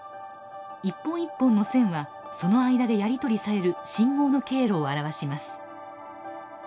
一本一本の線はその間でやり取りされる信号の経路を表します。